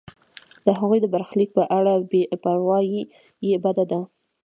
د هغه د برخلیک په اړه بې پروایی بده ده.